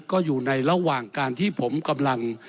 ก็อยู่ในระหว่างการที่ผมกำลัง